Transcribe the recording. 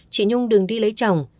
chị nhung đừng đi lấy chồng